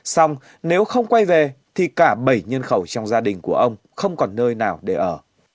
xong nếu không quay về thì cả bảy nhân khẩu trong gia đình của ông không còn nơi nào để ở